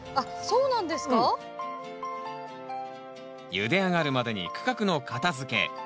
ゆで上がるまでに区画の片づけ。